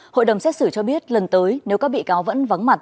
hội đồng xét xử cho biết lần tới nếu các bị cáo vẫn vắng mặt